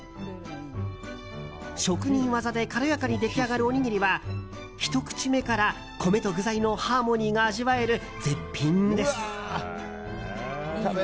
職人技で軽やかに出来上がるおにぎりはひと口目から米と具材のハーモニーが味わえる絶品です。